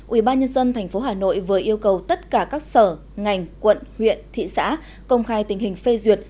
ubnd tp hà nội vừa yêu cầu tất cả các sở ngành quận huyện thị xã công khai tình hình phê duyệt